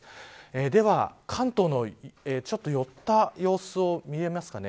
では関東の、ちょっと寄った様子が見られますかね。